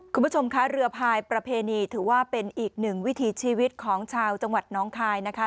คุณผู้ชมคะเรือพายประเพณีถือว่าเป็นอีกหนึ่งวิถีชีวิตของชาวจังหวัดน้องคายนะคะ